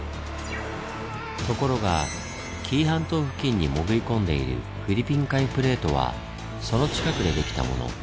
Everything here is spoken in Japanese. ところが紀伊半島付近に潜り込んでいるフィリピン海プレートはその近くで出来たもの。